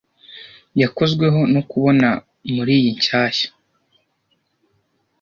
yakozweho no kubona muriyi nshyashya